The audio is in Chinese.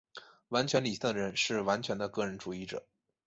完全理性的人是完全的个人主义者。